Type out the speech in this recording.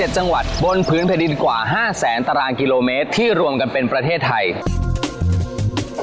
๗จังหวัดบนพื้นแผ่นดินกว่า๕แสนตารางกิโลเมตรที่รวมกันเป็นประเทศไทย